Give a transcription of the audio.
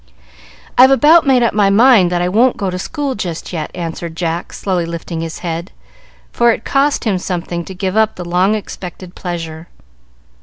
"I've about made up my mind that I won't go to school just yet," answered Jack, slowly lifting his head, for it cost him something to give up the long expected pleasure.